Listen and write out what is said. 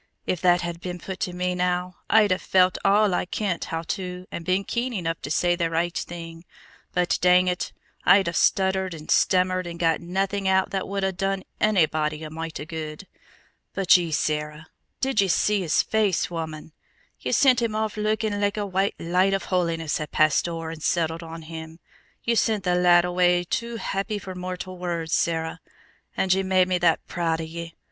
If that had been put to me, now, I'd 'a' felt all I kent how to and been keen enough to say the richt thing; but dang it, I'd 'a' stuttered and stammered and got naething out that would ha' done onybody a mite o' good. But ye, Sarah! Did ye see his face, woman? Ye sent him off lookin' leke a white light of holiness had passed ower and settled on him. Ye sent the lad away too happy for mortal words, Sarah. And ye made me that proud o' ye!